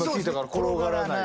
転がらない。